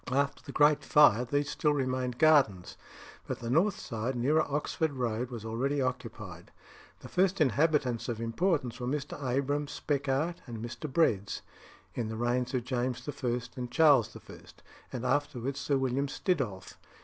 After the Great Fire, these still remained gardens, but the north side, nearer Oxford Road, was already occupied. The first inhabitants of importance were Mr. Abraham Speckart and Mr. Breads, in the reigns of James I. and Charles I., and afterwards Sir William Stiddolph.